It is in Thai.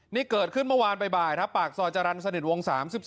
นี่เกิดขึ้นเมื่อวานบ่ายครับปากซอยจรรย์สนิทวง๓๒